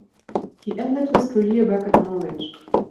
He ended his career back at Norwich.